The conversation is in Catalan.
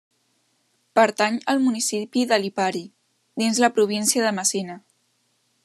Pertany al municipi de Lipari, dins la província de Messina.